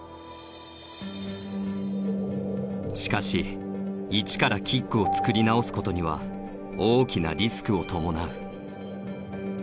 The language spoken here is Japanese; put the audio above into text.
しかし一からキックをつくり直すことには大きなリスクを伴う。